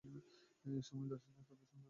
এ সময় দাসীদ্বয় ও তাদের সন্তানরা ঈসকে সিজদা করল।